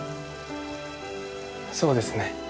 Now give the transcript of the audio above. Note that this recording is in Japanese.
そうですね。